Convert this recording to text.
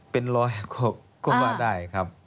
เป็นร้อยก็มาได้ครับ